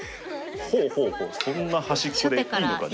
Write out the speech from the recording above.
そんな端っこでいいのかね。